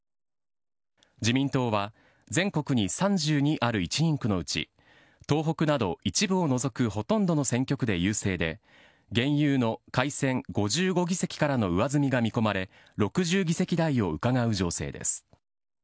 自民党は全国に３２ある１人区のうち東北など一部を除くほとんどの選挙区で優勢で現有の改選５５議席からの上積みが見込まれ６０議席台をうかがう情勢です。